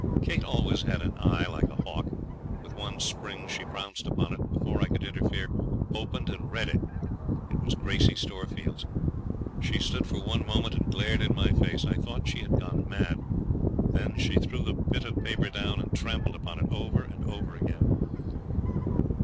Kate always had an eye like a hawk. With one spring she pounced upon it, and before I could interfere opened and read it! It was Gracey Storefield's. She stood for one moment and glared in my face. I thought she had gone mad. Then she threw the bit of paper down and trampled upon it, over and over again.